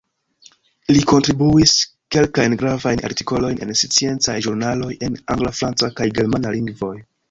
Li kontribuis kelkajn gravajn artikolojn al sciencaj ĵurnaloj en angla, franca kaj germana lingvoj.